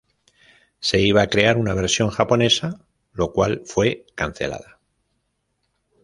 Se iba a crear una versión japonesa, lo cual fue cancelada.